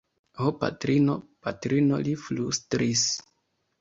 Ho patrino, patrino! li flustris.